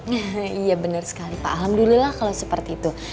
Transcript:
iya benar sekali pak alhamdulillah kalau seperti itu